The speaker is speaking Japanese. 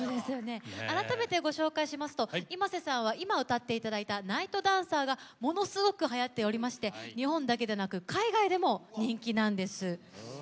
改めてご紹介しますとｉｍａｓｅさんは今、歌っていただいた「ＮＩＧＨＴＤＡＮＣＥＲ」の踊ってみた動画が日本だけではなく海外でも人気なんです。